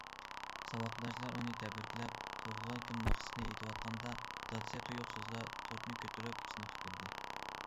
ساۋاقداشلار ئۇنى تەبرىكلەپ، تۇغۇلغان كۈن ناخشىسىنى ئېيتىۋاتقاندا، دادىسى تۇيۇقسىزلا تورتنى كۆتۈرۈپ سىنىپقا كىردى.